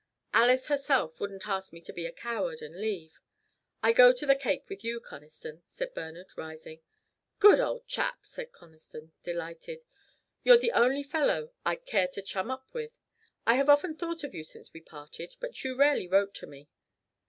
Alice herself wouldn't ask me to be a coward and leave. I go to the Cape with you, Conniston," said Bernard, rising. "Good old chap," said Conniston, delighted, "you're the only fellow I'd care to chum up with. I have often thought of you since we parted. But you rarely wrote to me."